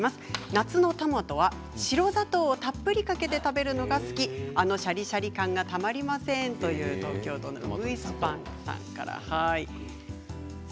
夏のトマトは白砂糖をたっぷりかけて食べるのが好き、あのシャリシャリ感がたまりませんという東京都の方からです。